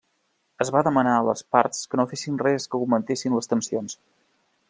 Es va demanar a les parts que no fessin res que augmentessin les tensions.